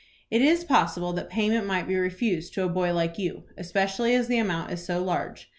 "It is possible that payment might be refused to a boy like you, especially as the amount is so large.